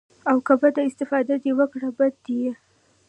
او که بده استفاده دې وکړه بد ديه.